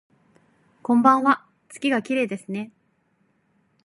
こんばんわ、月がきれいですね